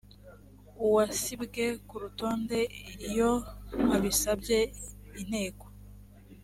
uwasibwe ku rutonde iyo abisabye inteko